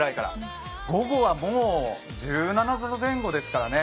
午後はもう１７度前後ですからね。